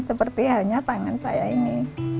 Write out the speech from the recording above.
seperti halnya pangan saya ini